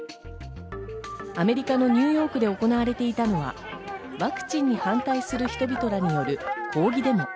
アメリカのニューヨークで行われていたのはワクチンに反対する人々による抗議デモ。